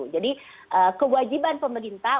jadi kewajiban pemerintah